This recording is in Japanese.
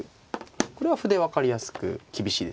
これは歩で分かりやすく厳しいですよね。